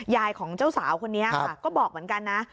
ของเจ้าสาวคนนี้ค่ะก็บอกเหมือนกันนะ